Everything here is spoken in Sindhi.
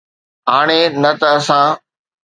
هاڻي نه ته اسان